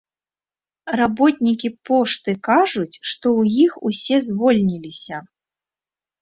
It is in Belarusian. Работнікі пошты кажуць, што ў іх усе звольніліся.